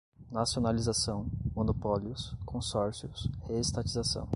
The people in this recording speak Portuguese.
Nacionalização, monopólios, consórcios, reestatização